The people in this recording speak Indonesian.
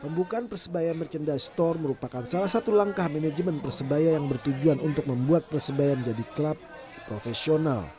pembukaan persebaya merchandise store merupakan salah satu langkah manajemen persebaya yang bertujuan untuk membuat persebaya menjadi klub profesional